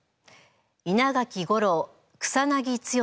稲垣吾郎草剛